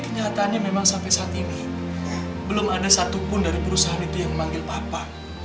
kenyataannya memang sampai saat ini belum ada satupun dari perusahaan itu yang memanggil papa